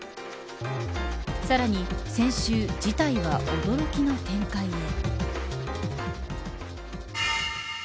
さらに、先週事態は驚きの展開へ。